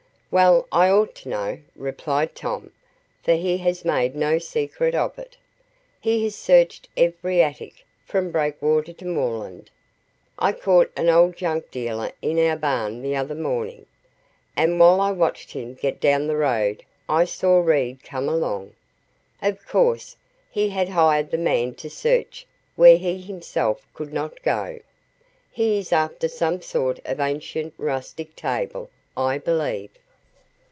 "Well, I ought to know," replied Tom, "for he has made no secret of it. He has searched every attic from Breakwater to Moreland. I caught an old junk dealer in our barn the other morning, and while I watched him get down the road I saw Reed come along. Of course, he had hired the man to search where he himself could not go. He is after some sort of ancient rustic table, I believe."